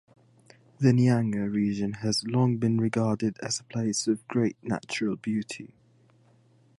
The Nyanga region has long been regarded as a place of great natural beauty.